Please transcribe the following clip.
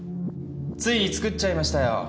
ついに作っちゃいましたよ